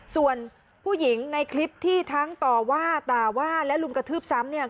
ส่วนผู้หญิงในคลิปที่ทั้งต่อว่าด่าว่าและลุมกระทืบซ้ำเนี่ย